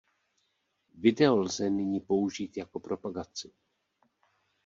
Video lze nyní použít jako propagaci.